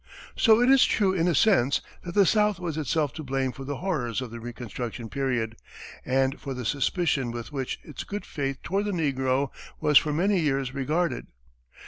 So it is true in a sense that the South has itself to blame for the horrors of the reconstruction period, and for the suspicion with which its good faith toward the negro was for many years regarded.